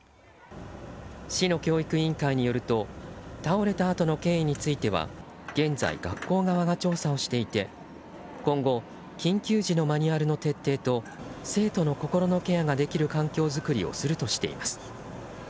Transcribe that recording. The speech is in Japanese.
市の教育委員会によると倒れたあとの経緯については現在、学校側が調査をしていて今後緊急時のマニュアルの徹底と生徒の心のケアができる環境づくりをするとしています。